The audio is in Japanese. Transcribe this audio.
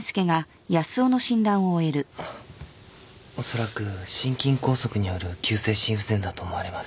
恐らく心筋梗塞による急性心不全だと思われます。